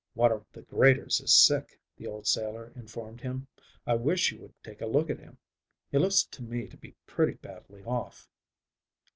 "One of the graders is sick," the old sailor informed him. "I wish you would take a look at him. He looks to me to be pretty badly off."